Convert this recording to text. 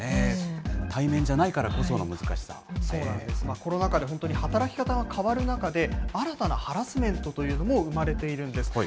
対面じゃないからこその難しコロナ禍で本当に働き方が変わる中で、新たなハラスメントというのも生まれているんです。